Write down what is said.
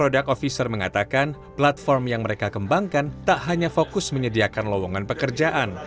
dan juga produk officer mengatakan platform yang mereka kembangkan tak hanya fokus menyediakan lowongan pekerjaan